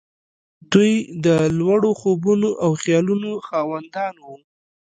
دوی د لوړو خوبونو او خيالونو خاوندان وو.